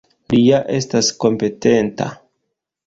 Li ja estas kompetenta!